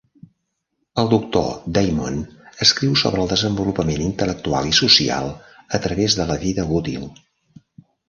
El doctor Damon escriu sobre el desenvolupament intel·lectual i social a través de la vida útil.